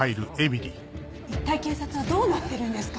一体警察はどうなってるんですか！